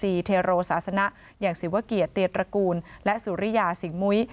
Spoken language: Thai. เทโรศาสนะอย่างศิวเกียรติเตียตระกูลและสุริยาสิงหมุ้ย